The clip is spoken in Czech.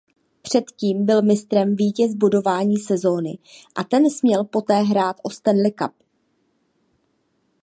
Předtím byl mistrem vítěz bodování sezóny a ten směl poté hrát o Stanley Cup.